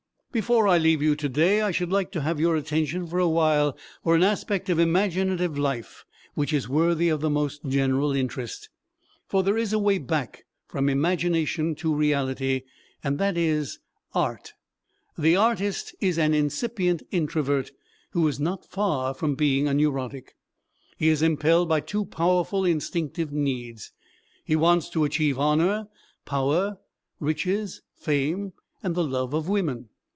Before I leave you today I should like to have your attention for a while for an aspect of imaginative life which is worthy of the most general interest. For there is a way back from imagination to reality and that is art. The artist is an incipient introvert who is not far from being a neurotic. He is impelled by too powerful instinctive needs. He wants to achieve honor, power, riches, fame and the love of women.